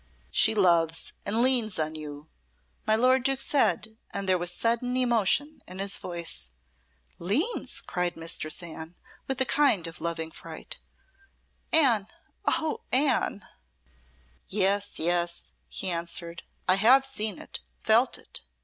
"She loves and leans on you," my lord Duke said, and there was sudden emotion in his voice. "Leans!" cried Mistress Anne with a kind of loving fright; "Anne on Anne!" "Yes, yes," he answered. "I have seen it felt it!